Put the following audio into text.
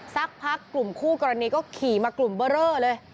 สักพักกลุ่มคู่กรณีก็ขี่มากลุ่มเบอร์เรอเลย